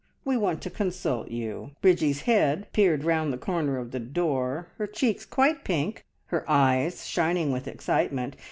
We want to consult you!" Bridgie's head peered round the corner of the door, her cheeks quite pink, her eyes shining with excitement.